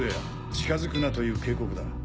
近づくなという警告だ。